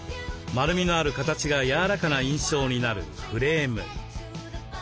丸みのある形が柔らかな印象になるフレーム。